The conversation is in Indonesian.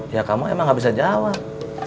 ya kamu emang gak bisa jawab